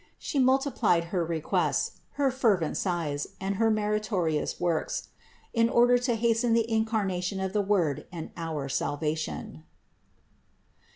She multiplied her requests, her fervent sighs, and her meritorious works, in order to hasten the Incar nation of the Word and our salvation.